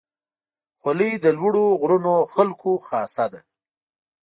خولۍ د لوړو غرونو خلکو خاصه ده.